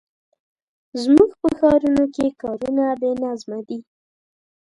زموږ په ښارونو کې کارونه بې نظمه دي.